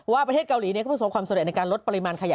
ว่าประเทศเกาหลีมันสมความเสนอในการลดปริมาณขยะ